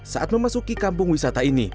saat memasuki kampung wisata ini